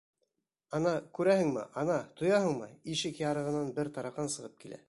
Ана, күрәһеңме, ана, тояһыңмы, ишек ярығынан бер тараҡан сығып килә.